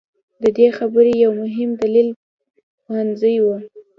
د دې خبرې یو مهم دلیل پوهنځي وو.